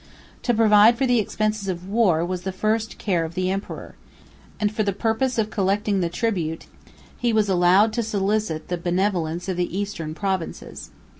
75 To provide for the expenses of war, was the first care of the emperor; and for the purpose of collecting the tribute, he was allowed to solicit the benevolence of the eastern provinces.